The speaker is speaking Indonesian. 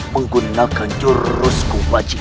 masya allah barang trabalho sudah hilang